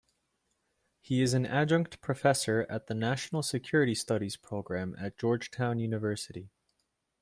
He is an adjunct professor at the National Security Studies Program at Georgetown University.